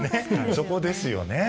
そこですよね。